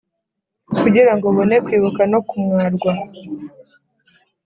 kugira ngo ubone kwibuka no kumwarwa